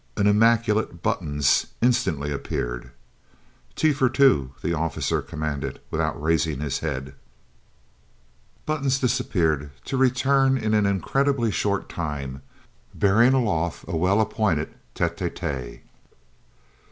An immaculate "Buttons" instantly appeared. "Tea for two," the officer commanded, without raising his head. Buttons disappeared, to return in an incredibly short time, bearing aloft a well appointed tête à tête.